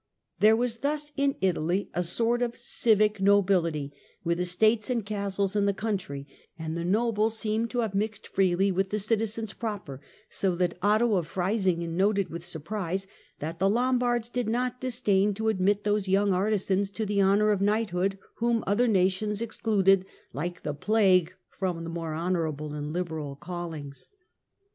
There was thus in Italy a sort of civic nobility, with estates and castles in the country, and the nobles seem to have mixed freely with the citizens proper, so that Otto of Freisingen noted with surprise that the Lombards did not disdain to admit those young artisans to the honour of knighthood whom other nations excluded " like the plague " from the more honourable and liberal callings.